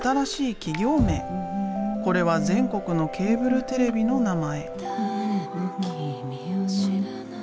これは全国のケーブルテレビの名前。